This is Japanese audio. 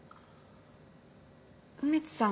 梅津さん。